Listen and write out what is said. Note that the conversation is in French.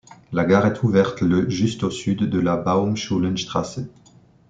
La gare est ouverte le juste au sud de la Baumschulenstraße.